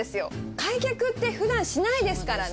開脚ってふだんしないですからね。